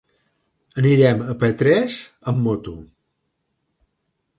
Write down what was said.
Anirem a Petrés amb moto.